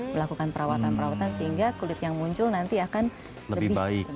melakukan perawatan perawatan sehingga kulit yang muncul nanti akan lebih